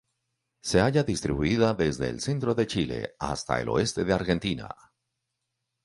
Se halla distribuida desde el centro de Chile hasta el oeste de Argentina.